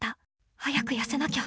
早く痩せなきゃ。